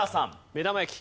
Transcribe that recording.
目玉焼き。